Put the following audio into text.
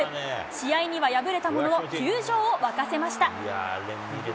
試合には敗れたものの、球場を沸かせました。